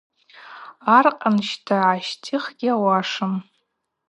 Аркъан, щта, йгӏащтӏих йгьауашым.